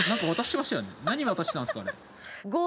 何渡してたんですか？